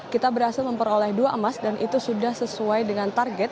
kita berhasil memperoleh dua emas dan itu sudah sesuai dengan target